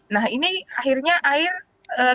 nah ini akhirnya air kebingungan untuk